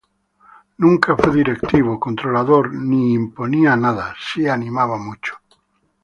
Nunca fue directivo, controlador, ni imponía nada, sí animaba mucho.